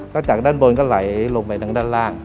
ก็จากด้านบนก็ไหลลงไปทางด้านล่าง